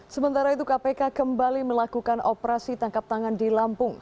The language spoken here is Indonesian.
sementara itu kpk kembali melakukan operasi tangkap tangan di lampung